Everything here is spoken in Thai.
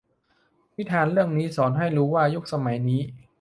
นิทานเรื่องนี้สอนให้รู้ว่ายุคสมัยนี้